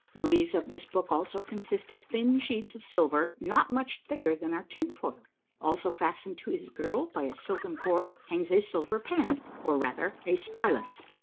The leaves of this book also consist of thin sheets of silver not much thicker than our tin foil ; also fastened to his girdle by a silken cord hangs a silver pen or, rather, a stylus.